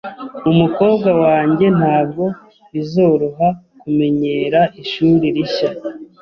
Umukobwa wanjye ntabwo bizoroha kumenyera ishuri rishya.